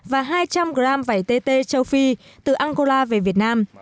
và hai trăm linh gram vải tt châu phi từ angola về việt nam